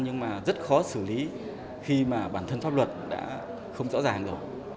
nhưng mà rất khó xử lý khi mà bản thân pháp luật đã không rõ ràng rồi